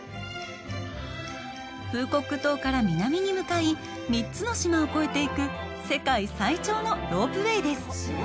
フーコック島から南に向かい３つの島を越えていく世界最長のロープウエーです。